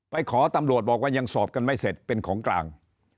ขอตำรวจบอกว่ายังสอบกันไม่เสร็จเป็นของกลาง